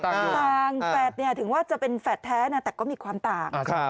ต่างแฝดถึงว่าจะเป็นแฝดแท้นะแต่ก็มีความต่าง